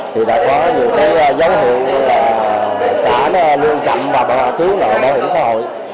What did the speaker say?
thì đã có nhiều cái dấu hiệu là cả lương chậm và thiếu nợ bảo hiểm xã hội